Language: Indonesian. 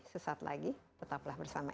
sesaat lagi tetaplah bersama